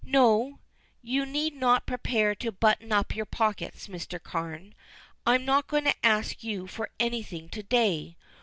"No, you need not prepare to button up your pockets, Mr. Carne. I am not going to ask you for anything to day.